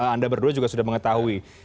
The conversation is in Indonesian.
anda berdua juga sudah mengetahui